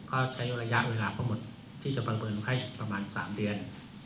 ก็ใช้ระยะเวลาก็หมดที่จะประเมินให้ประมาณ๓เดือน